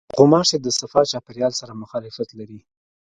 غوماشې د صفا چاپېریال سره مخالفت لري.